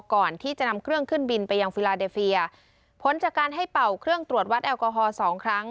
ก่อนที่จะนำเครื่องขึ้นบินไปยังฟิลาเดเฟียผลจากการให้เป่าเครื่องตรวจวัดแอลกอฮอลสองครั้ง